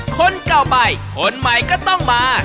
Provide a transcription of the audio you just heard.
คนเก่าไปคนใหม่ก็ต้องมา